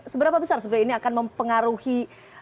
seberapa besar sebenarnya ini akan mempengaruhi